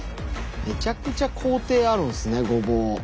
むちゃくちゃ工程あるんすねごぼう。